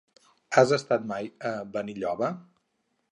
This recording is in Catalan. Has estat mai a Benilloba?